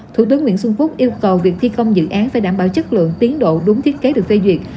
thủ tướng nguyễn xuân phúc yêu cầu việc thi công dự án phải đảm bảo chất lượng tiến độ đúng thiết kế được phê duyệt